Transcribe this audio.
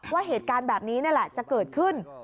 ว่าเหตุการณ์แบบนี้นี่แหละจะเกิดขึ้น